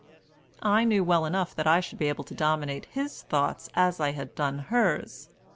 I knew well enough that I should be able to dominate his thoughts as I had done hers.